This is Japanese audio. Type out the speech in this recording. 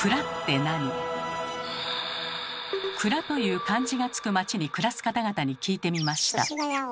「蔵」という漢字がつく町に暮らす方々に聞いてみました。